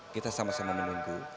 kita sama sama menunggu